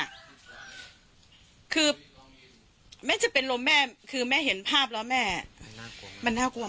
คือแม่จะเป็นลมแม่คือแม่เห็นภาพแล้วแม่มันน่ากลัว